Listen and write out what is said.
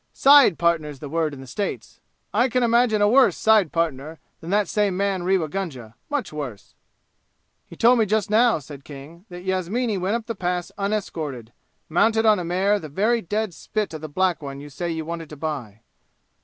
Side partner's the word in the States. I can imagine a worse side partner than that same man Rewa Gunga much worse." "He told me just now," said King, "that Yasmini went up the Pass unescorted, mounted on a mare the very dead spit of the black one you say you wanted to buy."